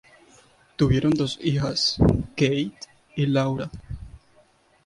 Tuvieron dos hijas, Kate y Laura.